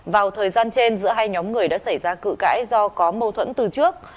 vào thời gian trên giữa hai nhóm người đã xảy ra cự cãi do có mâu thuẫn từ trước